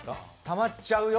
たまっちゃうよ。